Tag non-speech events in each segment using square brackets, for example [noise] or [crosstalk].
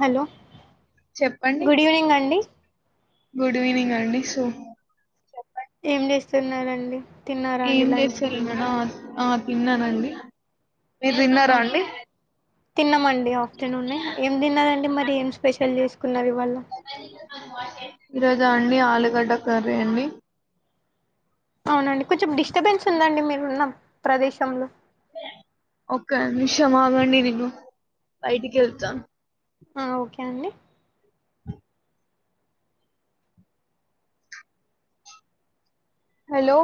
Hello చెప్పండి good evening అండి good evening అండి సో ఏం చేస్తున్నారండి తిన్నారా అండి ఏం లంచ్ చేస్తారు మేడం ఆ తిన్నానండి మీరు తిన్నారా అవును అండి తిన్నామండి ఆఫ్టర్నూనే ఏం తిన్నదండి మరి ఏం స్పెషల్ చేసుకో [unintelligible] ఈరోజు అండి ఆలుగడ్డ కర్రీ అండి అవునండి కొంచెం డిస్టబెన్స్ ఉందండి మీరు ఉన్న ప్రదేశంలో ఓక నిమిషం ఆగండి నేను బయటికి వెళ్తా ఆ ఓకే అండి హలో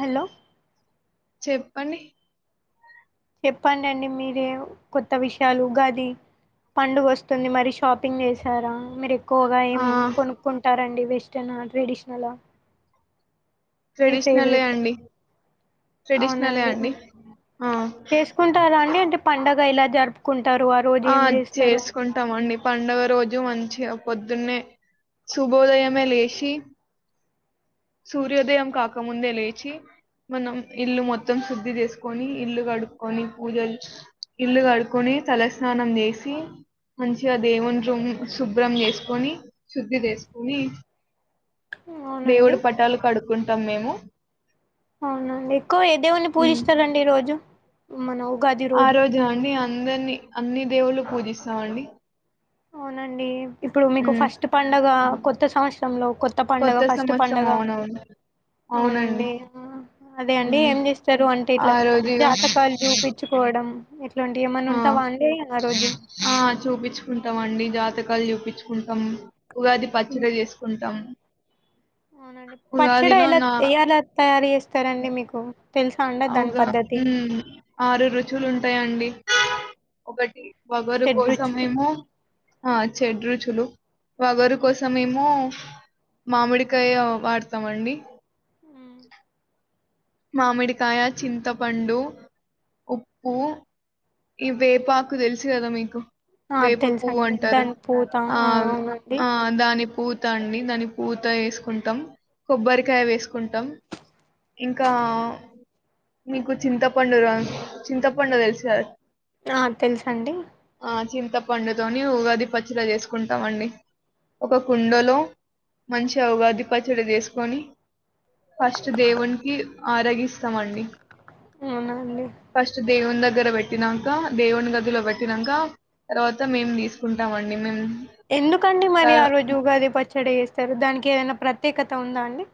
హలో చెప్పండి చెప్పండండి మీరే కొత్త విషయాలు గాది పండుగ వస్తుంది మరి షాపింగ్ చేసారా మీరు ఎక్కువగా ఏం ఆ కొనుక్కుంటారండి వి [unintelligible] ట్రెడిషనల్ మీ ట్రెడిషనలే ఫేవరెట్ అండి ట్రెడిషనలే అవునండి అండి ఆ చేసుకుంటారా అండి అంటే పండగ ఇలా జరుపుకు ఆ చేసుకుంటామండి పండుగ రోజు మంచిగా పొద్దున్నే శుభోదయమే లేచి సూర్యోదయం కాకముందే లేచి మనం ఇల్లు మొత్తం శుద్ధి చేసుకొని ఇల్లు కడుక్కకొని పూజలు ఇల్లు కడుకొని తలస్నానం చేసి మంచిగా దేవుని రూమ్ శుభ్రం చేసుకొని శుద్ధి చేసుకొని అవునండి కడుకుంటాం మేము అవునండి ఎక్కువ ఏ దేవుని ఉమ్. పూజిస్తారండి ఈ రోజు [unintelligible] ఆ రోజు అండి అందరిని అన్ని దేవుళ్లు పూజిస్తాం అండి అవునండి ఇప్పుడు మీకు ఫస్ట్ పండగ కొత్త సంవత్సరంలో కొత్త పండగ ఫస్ట్ సంవత్సరం పండగ, అవునవును అవునండి అదే అండి ఉమ్. ఏం చేస్తారు అంటే ఆ ఇట్లా రోజు ఇగ జాతకాలు చూపించుకోవడం అ ఇట్లాంటి ఏమన్నా ఉంటే ఆ [unintelligible] ఆ రోజు టాం అండి జాతకాలు చూపించుకుంటాం ఉగాది పచ్చడి చేసుకుంటాము అవునండి పచ్చడి ఎలా నా ఎయాల తయారు చేస్తారండి మీకు తెలుసా అండి దాని అవుగా పద్ధతి మ్ ఆరు రుచువులు ఉంటాయాండి ఒకటి వవరు షడ్రుచులు కోసమేమో ఆ చెడరుచులు వగరు కోసంవేమో మామిడికాయ వాడతామండి మామిడికాయ చింతపండు ఉప్పు ఈ వేపాకు తెలుసు కదా మీకు ఆ వేప పువ్వు తెలుసండి అంటారు దాని పూత ఆ అవునండి ఆ దాని పూతా అండి దాని పూత వేసుకుంటాం, కొబ్బరికాయ వేసుకుంటాం, ఇంకా మీకు చింతపండు చింతపండు తెలుసారా ఆ తెలుసుండి చింతపండుతోని ఉగాది పచ్చడి చేసుకుంటామండి, ఒక కుండలో మంచి ఉగాది పచ్చడి చేసుకొని, ఫస్ట్ దేవునికి ఆరగిస్తామండి. అవునండి ఫస్ట్ దేవు ద దూరవ్ పెట్టినాక దేవుని గదిలో పెట్టినాక తర్వాత మేము తీసుకుంటాం అండి మేం ఎందుకండీ మరి ఆ రోజు ఉగాది ప చెడ చేస్తారు దానికి ఏదైనా ప్రత్యేకత ఉందా అండి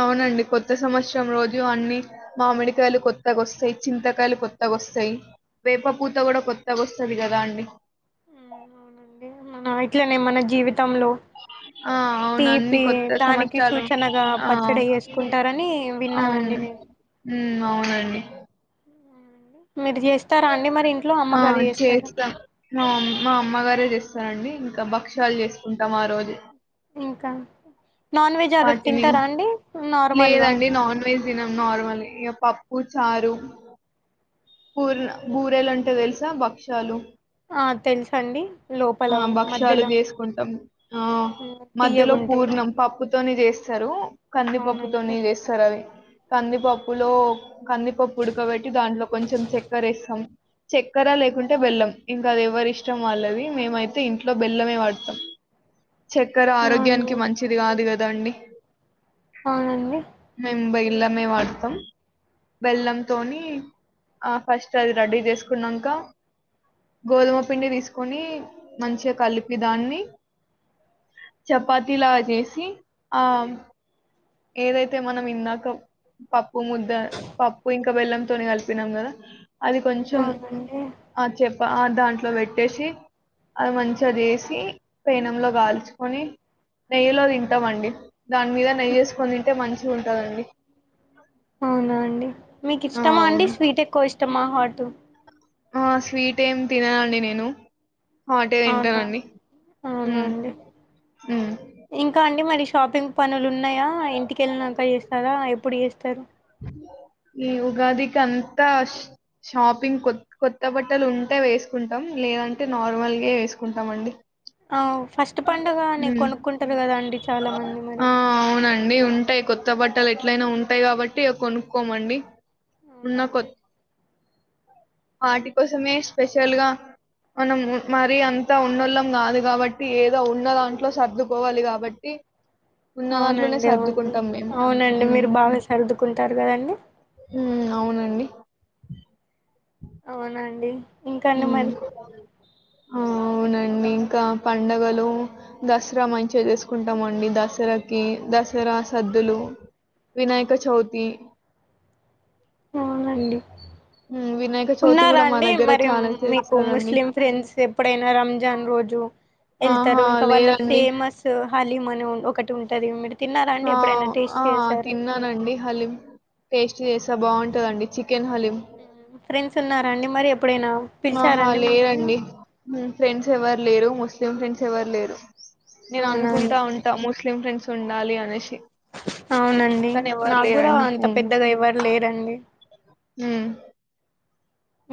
అవునండి కొత్త సంవత్సరం రోజు అన్నిీ మామిడికాయలు కొత్తగా వస్తాయి, చింతకాయలు కొత్తగా వస్తాయి, వేప పూత కూడా కొత్తగా వస్తంది కదా అండి. ఆ ఇట్లనే మన జీవిత్ టం లో ఆ! అవును. అన్ని తీపి కొత్త దానికి సంవత్సరాలు సూచనగా ఆ! పచ్చడి చేసుకుంటారని విన్నానండి అవును. నేను. హ్మ్ అవునండి మీది చే ఆ చేస్తా మా మా అమ్మగారే చేస్తారండి ఇంకా భక్ష్యాలు చేసుకుంటాం ఆరోజు ఇంకా నాన్ వెజ్ ఆర్ వాటిని తింటారా అండి నార్మల్గా తినం నార్మల్ ఇగ పప్పు చారు కూర్ణు బూరలంటే తెలుసా భక్షాలు ఆ తెలుసండి లోపల ఆ భక్షలు మధ్యలో చేసుకుంటాం. ఆ మధ్యలో తీయగుంటాయి పూర్ణం పప్పుతోని చేస్తారు కందిపప్పుతోని అవునండి చేస్తారు అవి. కందిపప్పులో కందిపప్పు ఉడక పెట్టి దాంట్లో కొంచెం చెక్కరేస్తాం చెక్కెర లేకుంటే బెల్లం, ఇంకా అది ఎవరి ఇష్టం వాళ్ళది, మేమైతే ఇంట్లో బెల్లమే వాడతాం. చక్కర అవును ఆరోగ్యానికి మంచిది కాద్ గ దండి అవునండి బెల్లమే వాడతాం బెల్లంతోని ఆ ఫస్ట్ అది రెడీ చేసుకున్నాక, గోధుమ పిండి తీసుకొని మంచిగా కలిపి దాన్ని. చపాతి లాగ చేేసి ఆ ఏదైతే మనం ఇందాక పప్పు ముద్ద పప్పు ఇంకా బెల్లంతోనే కలిపినాం కదా అది కొంచెం అవునండి ఆ చెప్ దాంట్లో పెట్టేసి అది మంచిగాది వేసి పేనెంలో కాల్చుకొని నెయ్యిలో తింటామండి. దాన్ మీద నే మంచిగా ఉంటుందండి అవునా అండి మీకు ఇష్టమా అండి స్వీట్ ఎక్కువ ఇష్టమా ఆటు ఆ స్వీట్ ఏం తిననండి నేను అంటే అవునా వింటానండి అవునా మ్ మ్ అంటే మరి షాపింగ్ పనులు ఉన్నాయా, ఇంటికెళ్ళినక చేస్తారా ఎప్పుడు చేస్తారు ఈ ఉగాదికి అంతా షాపింగ్ కొ కొత్త బట్టలు ఉంటే వేసుకుంటాం, లేదంటే నార్మల్గా వేసుకుంటాం అండి. ఆ ఫస్ట్ పండుగ అనే కొనుక్కుంటారు కదా అండి చాలా మంది మరి కొత్తబట్టలు ఎట్లయినా ఉంటాయి కాబట్టి కొనుక్కోమండి ఉన్న కొద్ అవునండి వాటి కోసమే స్పెషల్ గా మనం మరి అంతా ఉన్నోళ్ళం కాదు కాబట్ ఏదో ఉన్న దాంట్లో సర్దుకోవాలి కాబట్టి ఉన్న దాంట్లోనే అవునండి అవును, సర్దుకుంటాం మేము. అవునండి హ్మ్. మీరు బాగా సర్దుకుంటారు కదండి హ్మ్. అవునండి అవునండి ఇంకా అండి మ్మ్ మరి ఆ అవునండి ఇంకా పండగలు దసరా మంచిగా చేసుకుంటామండి దసరాకి దసరా సద్దులు వినాయక చవితి అవునండి ఉమ్, వినాయక చవితి ఉన్నారా కూడా మా అండి దగ్గర మరి చాలా [inaudible] మీకు చేస్తారండి ముస్లిం ఫ్రెండ్స్ ఎప్పుడైనా రంజాన్ రోజు వెళ్తారు ఆహా ఇంకా వాళ్ళ లేదండి ఫేమస్ హలీమను ఒకటి ఉంటది తిన్నారా అండి ఆ ఎప్పుడైనా టేస్ట్ ఆ చేసారా తిన్నానండి హలీం చేసా బాగుంటదండి చికెన్ హలీం ఫ్రెండ్స్ ఉన్నారా అండి మరి ఎప్పుడైనా ఆహా పిలిచారండి మిమ్మల్ని లేరండి ఫ్రెండ్స్ ఎవరు లేరు ముస్లిం ఫ్రెండ్స్ ఎవరు లేరు నేను అవునండి అనుకుంటా ఉంటా మోస్ట్ ఫ్రెండ్స్ ఉండాలి అనేసి అవునండి కానీ ఎవరు నా కూడా లేరండి అంత పెద్దగా ఎవరు లేరండి హ్మ్మ్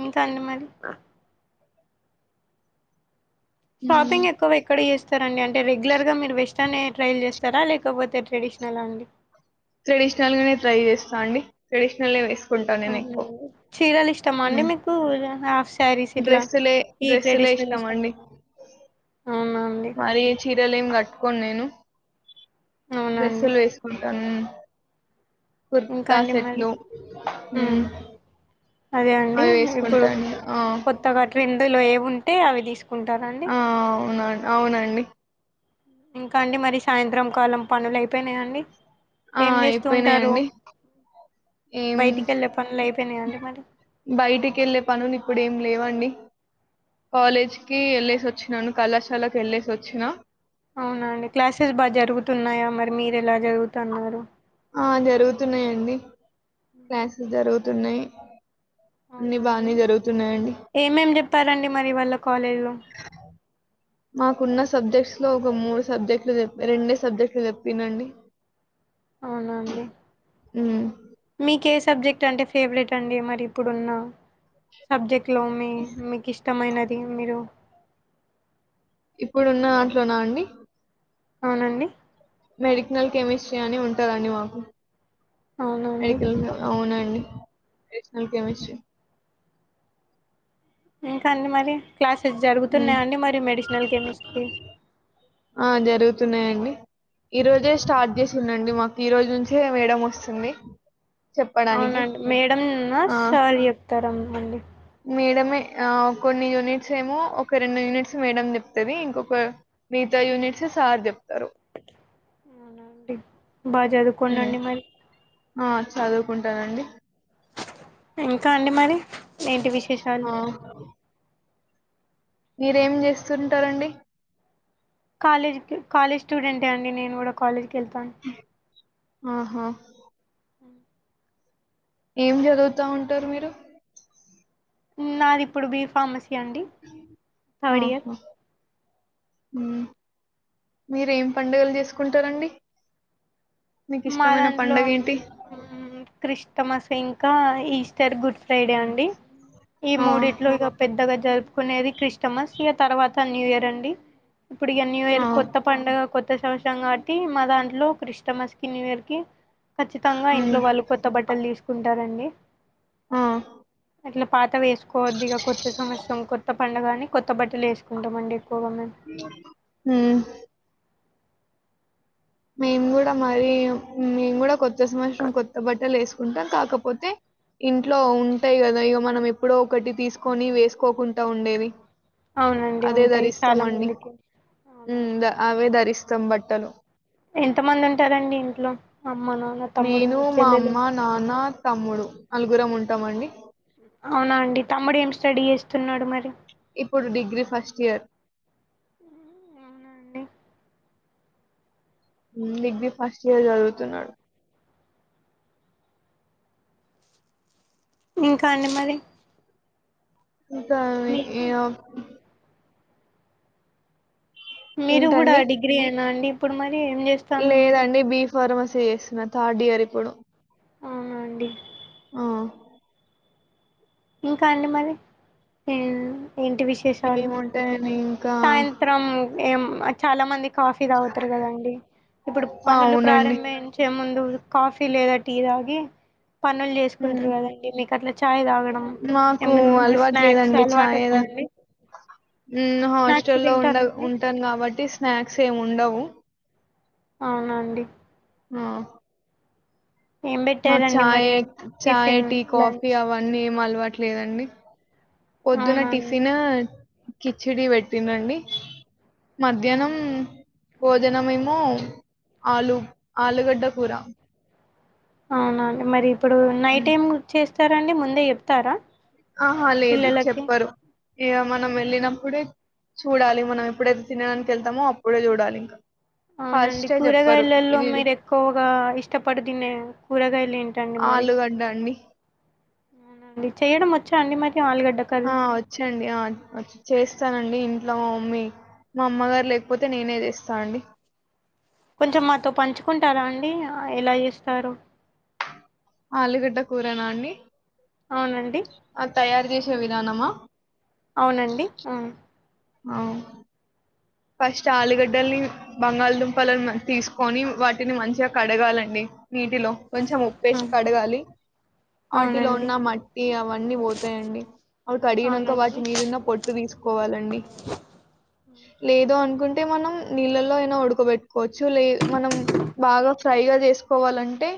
ఇంకా అండి మరి ఉమ్, షాపింగ్ ఎక్కొ ఎక్కడ చేస్తారు సర రెగ్యులర్ గా మీరు వెస్ట్ కనే ట్రైల్ చేస్తారా లేకపోతే ట్రెడిషనల్ అండి ట్రెడిషనల్ గానే ట్రై చేస్తా అండి ట్రెడిషనల్ వే అ చీరలు ఇష్టమా అండి ఉమ్. మీకు శారీస్ ఇట్లా డ్రెస్సులే ఈ డ్రెస్సులే ట్రెడిషనల్ ఇష్టామ ఇష్టం అండి అవునా అండి మరి చీరలే ఏం కట్టు కొ నేను అవునండి డ్రెస్సులు వేసుకుంటాను ఇంకా కుర్తా అండి మరి సెట్లు ఉమ్ మ్ అదే అండి ఇప్పుడు కొత్తగా ట్రెండ్ లో ఏం ఉంటే అవి తీసు కుంటారా అండి ఆ, అవునండి ఇంకా అండి మరి సాయంత్రం కాలం పనులు అయి ఆ అయిపోయినయి ఉంటారు అండి ఏం బయటికి వెళ్ళే పనులు అయిపోయినాయండి మరి బయటికి వెళ్ళే పనులు ఇప్పుడు ఏం లేవండి కాలేజీకి వెళ్ళేసి వచ్చినాను కళాశాలకి వెళ్ళేసి వచ్చినా అవున అండి క్లాసెస్ బాగా జరుగుతున్నాయా మరి మీరు ఎలా చదువుతున్నారు ఆ జరుగుతున్నాయి అండి క్లాసెస్ జరుగుతున్నాయి అవున అన్ని అండి బాగానే జరుగుతున్నాయండి ఏమేమి చెప్పారండి మరి ఇవాళ కాలేజీలో మాకున్న సబ్జెక్ట్స్ లో ఒక మూడు సబ్జెక్టులు చెప్ప్ రెండే సబ్జెక్టులు చెప్పిరు అండి అవున అండి మీకే సబ్జెక్ట్ అంటే ఫేవరెట్ అండి మరి ఇప్పుడున్న సబ్జెక్ట్ లో ది మీరు ఇప్పుడున్న దాంట్లోనా అండి అవునండి మెడికల్ కెమిస్ట్రీ అని ఉంటది అండి మాకు అవునండి మెడికల్గా అవునండి మెడిసినల్ కెమిస్ట్రీ ఇంకా అండి మరి క్లాసెస్ హ్మ్. జరుగుతున్నాయండి మరి మెడిసినల్ కెమిస్ట్రీ తున్నాయండి ఈ రోజే స్టార్ట్ చేసింది అండి మాకు ఈ రోజు నుంచే మేడం వస్తుంది అవున అండి మేడం నా ఆ! సార్ చెప్తారా మండి మేడమే అ కొన్ని యూనిట్స్ ఏమో ఒక రెండు యూనిట్స్ మేడం చెప్తాది ఇంకొక మిగతా యూనిట్స్ సార్ చెప్ అవునా అండి బాగా హ్మ్. చదువుకోండండి మరి అండి ఇంకా అండి మరి ఏంటి విశేషాలు ఆ మీరేం చేస్తుంటారండి కాలేజ్ కి కాలేజ్ స్టూడెంటే అండి నేను కూడా కాలేజ్ కెల్తాను అహా ఆ ఏం చదువుతా ఉంటారు మీరు నాది ఇప్పుడు బి ఫార్మసీ అండి థర్డ్ ఇయర్ ఉ మీరేం పండుగలు చేసుకుంటారండి మా దాంట్లో ఉ క్రిష్ తమస్ ఇంకా ఈస్టర్, గుడ్ ఫ్రైడే అండి ఈ ఆ! మూడిట్లో ఇది పెద్దగా జరుపు కునేది క్రిస్టమస్ ఇగ తర్వాత న్యూ ఇయర్ అండి ఇప్పుడిగా న్యూ ఆ! ఇర్ కొత్త పండగా కొ త్త సంవత్సరం కాబట్టి మా దాంట్లో క్రిస్టమస్ న్యూ ఇయర్ కి ఖచ్చితంగా హ్మ్. ఇంట్లో వాళ్ళు కొత్త బట్టలు తీసుకున్ టారండి ఆ అట్ల పా త్తవి వేసుకోవద్దు ఇగ కొత్త సంవత్సరం కొత్త పండగ అని కొత్త బట్టలు వేసుకుంటమండి హు మేము కూడా మరి మేం కూడా కొ కొత్త సంవత్సరం కొత్త బట్టలు వేసు ఉంటా కాకపోతే ఇంట్లో ఉంటాయి కదా ఇగ మనం ఎప్పుడో ఒకటి తీసుకొని వేసుకోకుంట ఉండేది అవునండి అదే ఉంటాయి చాలా ధరిస్తామండి మందికి మ్ అవునండి ద అవే ధరిస్ కంబట్టలు ఎంత మంది ఉంటారండి ఇంట్లో అమ్మ నాన్న తమ్ముడు నేను మా చెల్లెలు అమ్మ నాన్న తమ్ముడు అలు గ్గురం ఉంటామండి అవునా అండి తమ్ముడు ఏం స్టడీ చేస్తున్నాడు మరి ఇప్పుడు డిగ్రీ ఫస్ట్ ఇయర్ హు అవునా అండి హ్ డిగ్రీ ఫస్ట్ ఇయర్ చదువుతున్నాడు ఇంకా అండి మరి ఇంకా ఆది మీ ఎమో మీరు కూడా ఏంటండి డిగ్రీ ఏనా అండి పుడ్ మై లేదండి బి ఫార్ మస్ చేస్తున్న థర్డ్ ఇయర్ ఇప్పుడు అవునా అండి ఆ ఇంకా అండి మరి హ్ ఏంటి విశేషాలు ఏముంటాయండి ఇంకా సాయంత్రం ఏం మా చాలా మంది కాఫీ తాగుతరు కదండి. ఇప్పుడు ఆ, పనులు అవునండి. ప్రారంభించే ముందు కాఫీ లేద్ ట్ టీ తాగి పనులు హ్మ్. చేసుకుంటరు కదండి మీకు అట్లా చాయ్ తాగడం మాకు ఏమన్నా అలవాటు స్నాక్స్ లేదండి అలవాటు చాయ్ ఉందా ద అండి ఉమ్ స్నాక్స్ హాస్టల్లో ఉండ తింటారండి ఉంటను కాబట్టి స్నాక్స్ ఏమి ఉండవు అవునా అండి ఆ ఏం మాకు పెట్టారండి చాయ్ మరి చాయ్ టిఫిన్ టీ కాఫీ లంచ్ అవన్నీ ఏం అలవాట్లేదం అండి పొద్దున్న అవునండి టిఫిన్ కిచిడి పెట్టింరండి మధ్యాహ్నం అవునండి భోజనంమెమో ఆలు ఆలుగడ్డ కూర అవునండి మరి ఇప్పుడు నైట్ ఉమ్, ఎంచే చరండి ముందే చెప్తారా ఆహా లేదు పిల్లలకి చెప్పరు ఇగ మనం వెళ్ళినప్పుడే చూడాలి మనం ఎప్పుడైతే తినడానికి వెళ్తామో అప్పుడే చూడాలి ఇంకా అవునండి ఫస్టే చెప్పరు కూరగాయలలో ఇది మీరు ఎక్కువగ ఇష్టపడి తినే కూరగాయలు ఏంటండి మరి ఆలుగడ్డ అండి అవునండి చేయడం వచ్చా అండి మరి ఆలుగడ్డ కర్రీ ఆ వచ్చండి ఆ వచ్ చేస్తానండి ఇన్ ట్లో మమ్మీ మా అమ్మ గారు లేకపోతే నేనే చేస్తా అండి కొంచెం మాతో పంచుకుంటారా అండి ఎలా చేస్తారో ఆలుగడ్డ కూరనా అండి అవునండి ఆ తయారి జేసే విధానమా అవునండి అవును అవు ఫస్ట్ ఆలుగడ్డల్ని బంగాళదుంపలను తీసుకొని వాటిని మంచిగ కడగాలండి నీటిలో కొంచెం ఉప్పేసి కడగాలి ఆటిలో అవునండి ఉన్న మట్టి అవన్నీ పోతాయండి అవి కడిగినంక అవునండి వాటి మీదున్న పొట్టు తీసుకోవాలండి ఏదో అనుకుంటే మనం నీళ్ళలో అయిన ఉడకబెట్టుకోవచ్చు లే మనం బాగా ఫ్రైగా ఎస్ పోవాలంటే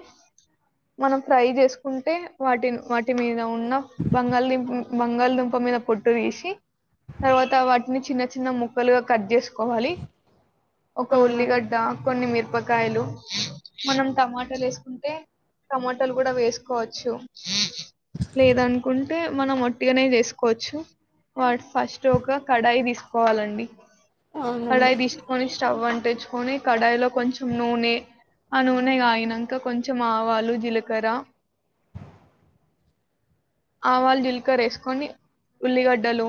మనం ఫ్రై చేసుకుంటే వాటిని వాటి మీద ఉన్న నో బంగాలీ [unintelligible] బంగళదుంప మీద పొట్టు తీసి తరువాత వాటిని చిన్న చిన్న ముక్ క్కలు కట్ చేసుకోవాలి. ఒక అవునండి ఉల్లిగడ్డ కొన్ని మిరుప కాయలు మనం టమాటాలు వేసుకుంటే టమాటాలు కూడా వేసుకోవచ్చు. లేదనుకుంటే మనం ఒట్టిగానే చేసుకోవచ్చు వాడ్ ఫస్ట్ ఒక కడాయి తీసుకోవాలండి అవునండి కడాయి తీసుకొనిస్ స్టవ్ అంటిచ్చుకొని కడాయిలో కొంచెం నూనె ఆ నూనె కాయినంక కొంచెం ఆవాలు జీలకర ఆవాలు జీలకరేసుకొని ఉల్లిగడ్డలు